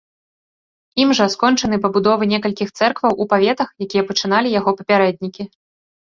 Ім жа скончаны пабудовы некалькіх цэркваў у паветах, якія пачыналі яго папярэднікі.